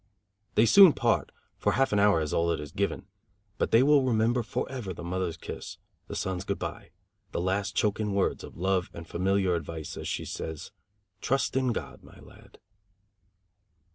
They soon part, for half an hour is all that is given, but they will remember forever the mothers kiss, the son's good bye, the last choking words of love and familiar advice, as she says: "Trust in God, my lad."